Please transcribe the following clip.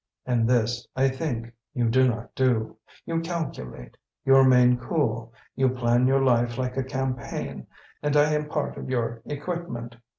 And this, I think, you do not do. You calculate, you remain cool, you plan your life like a campaign, and I am part of your equipment.